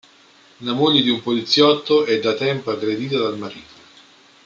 La moglie di un poliziotto è da tempo aggredita dal marito.